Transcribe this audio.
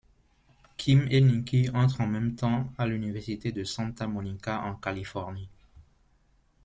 Kim et Nikki entrent en même temps à l'université de Santa Monica en Californie.